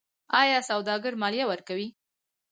آیا سوداګر مالیه ورکوي؟